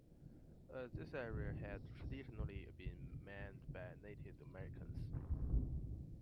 This area had traditionally been mined by Native Americans.